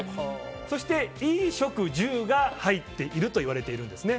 そして、衣食住が入っているといわれているんです。